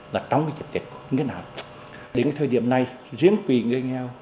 và trong cái dịp tết như thế nào